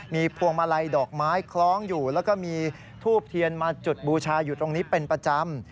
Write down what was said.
มีพวงมาลัยดอกไม้คล้องอยู่แล้วก็มีทูบเทียนมาจุดบูชาอยู่ตรงนี้เป็นประจำ